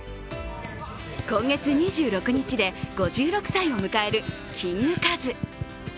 今月２６日で５６歳を迎えるキングカズ。